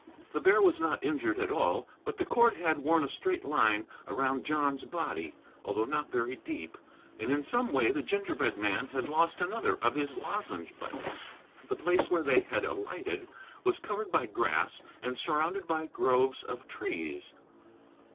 The bear was not injured at all, but the cord had worn a straight line around John's body, although not very deep; and in some way the gingerbread man had lost another of his lozenge buttons. The place where they had alighted was covered by grass and surrounded by groves of trees.